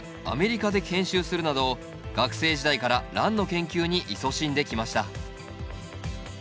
アメリカで研修するなど学生時代からランの研究にいそしんできました。